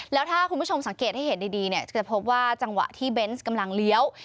แล้วถ้าคุณผู้ชมสังเกตให้เห็นดีเนี่ยจะพบว่าจังหวะที่เบนส์กำลังเลี้ยว